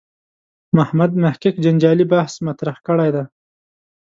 محمد محق جنجالي بحث مطرح کړی دی.